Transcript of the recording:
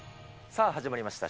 さあ、始まりました。